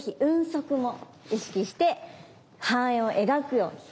足も意識して半円を描くように。